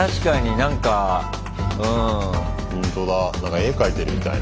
なんか絵描いてるみたいな。